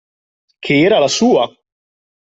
Che era la sua!